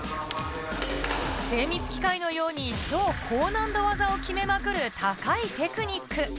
精密機械のように超高難度技を決めまくる高いテクニック。